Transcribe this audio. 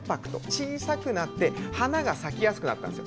小さくなって花が咲きやすくなったんです。